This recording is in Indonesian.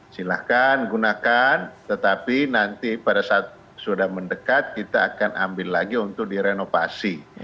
silahkan gunakan tetapi nanti pada saat sudah mendekat kita akan ambil lagi untuk direnovasi